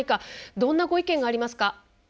どんなご意見がありますか。